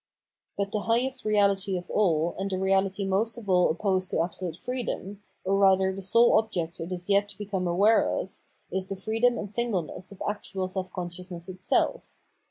But the highest reality of aU and the reahty most of all opposed to absolute freedom, or rather the sole object it is yet to become aware of, is the freedom and singleness of actual self consciousness itself.